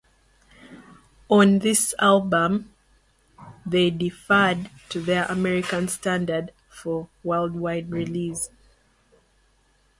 On this album, they deferred to their American standard for worldwide release.